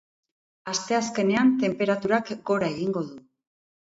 Asteazkenean tenperaturak gora egingo du.